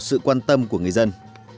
sự quan tâm của người dân